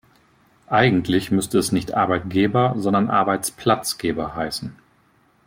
Eigentlich müsste es nicht Arbeitgeber, sondern Arbeitsplatzgeber heißen.